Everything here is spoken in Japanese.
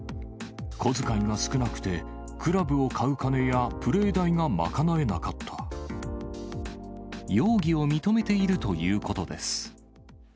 小遣いが少なくて、クラブを買う容疑を認めているということです。